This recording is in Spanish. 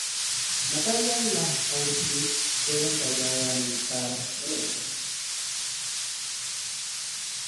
Natalia Lafourcade fue la encargada de amenizar el evento.